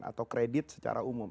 atau kredit secara umum